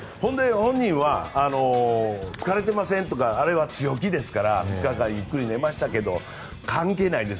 本人は疲れてませんとかあれは強気ですから２日間、ゆっくり寝ましたけど関係ないです。